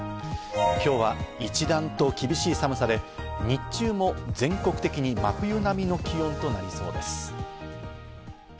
今日は一段と厳しい寒さで、日中も全国的に真冬並みの気温となりそうです。